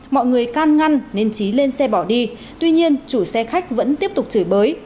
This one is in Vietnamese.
mọi người can ngăn nên trí lên xe bỏ đi tuy nhiên chủ xe khách vẫn tiếp tục chửi bới